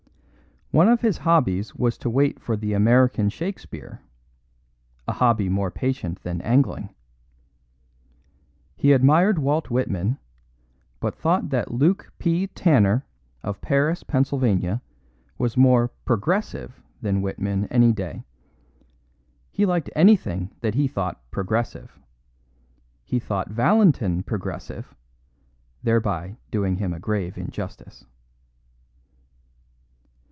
One of his hobbies was to wait for the American Shakespeare a hobby more patient than angling. He admired Walt Whitman, but thought that Luke P. Tanner, of Paris, Pa., was more "progressive" than Whitman any day. He liked anything that he thought "progressive." He thought Valentin "progressive," thereby doing him a grave injustice.